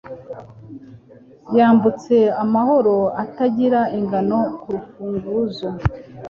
Yambutse amahoro atagira ingano ku rufunzo.